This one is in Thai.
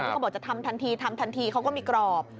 เขาบอกจะทำทันทีทำทันทีเขาก็มีกรอบ